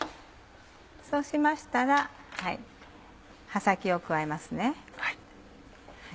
そうしましたら葉先を加えます。